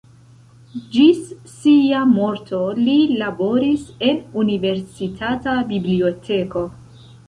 Ĝis sia morto li laboris en Universitata Biblioteko.